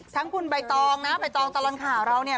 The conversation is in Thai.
ทั้งคุณใบตองนะใบตองตลอดข่าวเราเนี่ย